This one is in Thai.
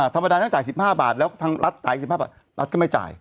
ธรรมดานั้นตาย๑๕บาทแล้วรัฐตายก็๑๕บาทรัฐก็ไม่จ่าย